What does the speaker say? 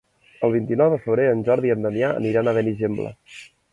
El vint-i-nou de febrer en Jordi i en Damià aniran a Benigembla.